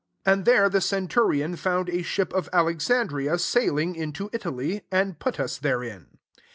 6 And there the centurion found a ship of Alexandria sailing into Italy ; and put us therein.